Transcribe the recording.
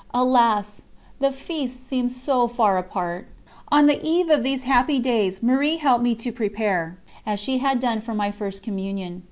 Alas! the feasts seemed so far apart. ... On the eve of these happy days Marie helped me to prepare, as she had done for my First Communion.